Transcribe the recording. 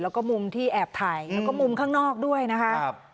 แล้วก็มุมที่แอบถ่ายแล้วก็มุมข้างนอกด้วยนะคะ